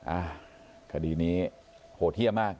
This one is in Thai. อ่าคดีนี้โหดเยี่ยมมาก